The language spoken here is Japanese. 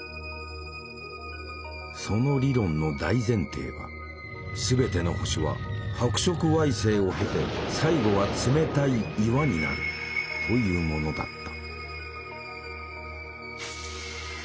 その理論の大前提は「全ての星は白色矮星を経て最後は冷たい岩になる」というものだった。